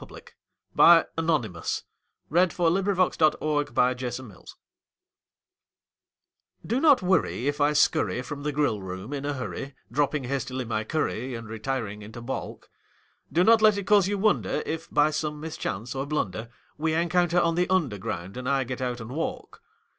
CUPID'S DARTS (Which are a growing menace to the public) Do not worry if I scurry from the grill room in a hurry, Dropping hastily my curry and re tiring into balk ; Do not let it cause you wonder if, by some mischance or blunder, We encounter on the Underground and I get out and walk.